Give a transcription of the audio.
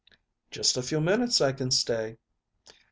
"Just a few minutes I can stay."